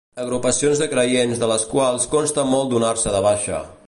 Agrupacions de creients de les quals costa molt donar-se de baixa.